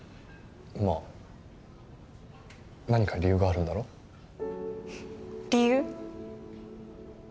まあ何か理由があるんだろ？理由？